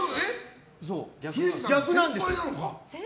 逆なんです。